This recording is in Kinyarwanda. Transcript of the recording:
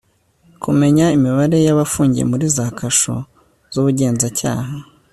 kumenya imibare y abafungiye muri za kasho z ubugenzacyaha